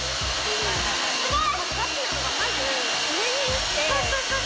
すごい！